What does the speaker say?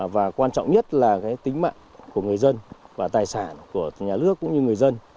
và quan trọng nhất là cái tính mạng của người dân và tài sản của nhà nước cũng như người dân